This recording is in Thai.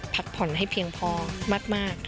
พักผ่อนให้เพียงพอมาก